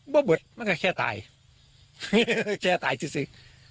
บ้อบลอดมันก็แค่ตายแค่ตายจุดซึ้ง